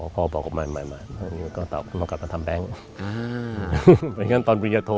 พ่อบอกกับมายก็ต้องกลับมาทำแบงค์เหมือนงั้นตอนบริยาโท